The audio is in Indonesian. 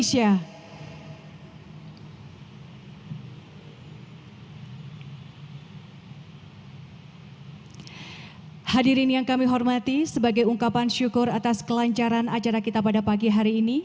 terima kasih banyak banyak orang yang berniaga menjadi sukses